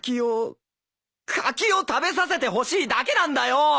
柿を柿を食べさせてほしいだけなんだよ！